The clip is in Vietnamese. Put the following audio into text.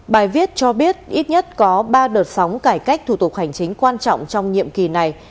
bài viết cho biết ít nhất có ba đợt sóng cải cách thủ tục hành chính quan trọng trong nhiệm kỳ này